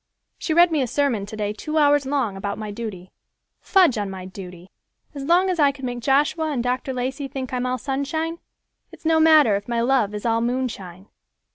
She read me a sermon today two hours long about my duty. Fudge on my duty! As long as I can make Joshua and Dr. Lacey think I'm all sunshine, it's no matter if my love is all moonshine."